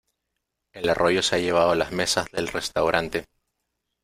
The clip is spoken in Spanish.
El arroyo se ha llevado las mesas del restaurante.